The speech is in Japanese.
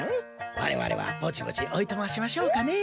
我々はぼちぼちおいとましましょうかねえ。